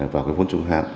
vào cái vốn trung hạn